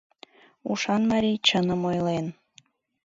Ушан марий чыным ойлен...